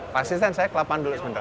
pak asisten saya ke lapangan dulu sebentar